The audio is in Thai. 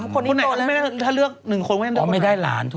คนไหนถ้าเลือก๑คนก็เลือกคนไหนไม่ได้หลานเถอะ